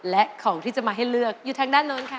และของที่จะมาให้เลือกอยู่ทางด้านโน้นค่ะ